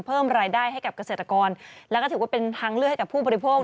เพิ่มรายได้ให้กับเกษตรกรแล้วก็ถือว่าเป็นทางเลือกให้กับผู้บริโภค